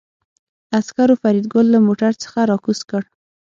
عسکرو فریدګل له موټر څخه راکوز کړ